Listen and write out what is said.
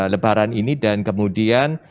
lebaran ini dan kemudian